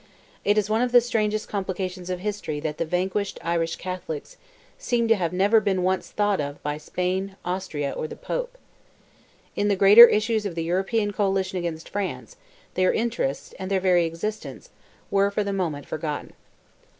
It is one of the strangest complications of history that the vanquished Irish Catholics seem to have been never once thought of by Spain, Austria, or the Pope. In the greater issues of the European coalition against France, their interests, and their very existence, were for the moment forgotten.